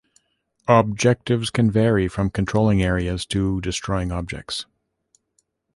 Objectives can vary from controlling areas to destroying objects.